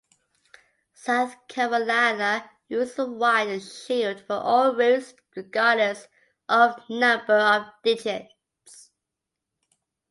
South Carolina uses a wide shield for all routes, regardless of number of digits.